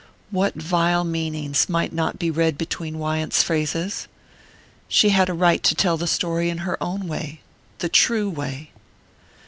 What vile meanings might not be read between Wyant's phrases? She had a right to tell the story in her own way the true way....